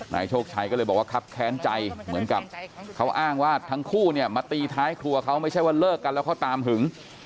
นายโชคชัยก็เลยบอกว่าครับแค้นใจเหมือนกับเขาอ้างว่าทั้งคู่เนี่ยมาตีท้ายครัวเขาไม่ใช่ว่าเลิกกันแล้วเขาตามหึง